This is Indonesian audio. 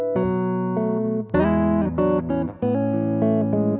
dia juga tidak bisa tempatkan god